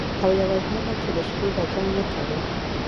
او یوه ژمنه چې د شپې به جنګ نه کوئ